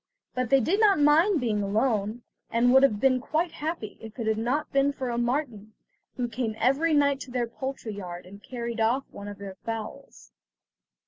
But they did not mind being alone, and would have been quite happy, if it had not been for a marten, who came every night to their poultry yard, and carried off one of their fowls.